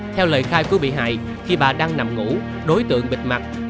theo lời khai cứu bị hại khi bà đang nằm ngủ đối tượng bịt mặt đầu cuốn khăn đã đột nhập vào nhà bằng cửa hồng